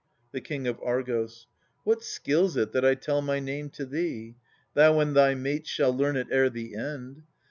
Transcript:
The King of Argos. What skills it that I tell my name to thee ? Thou and thy mates shall learn it ere the end.